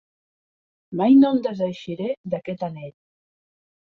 Mai no em deseixiré d'aquest anell.